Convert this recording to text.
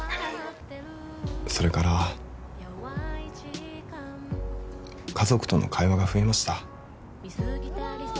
それから家族との会話が増えました黒板アート？